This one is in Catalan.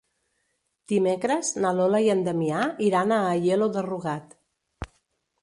Dimecres na Lola i en Damià iran a Aielo de Rugat.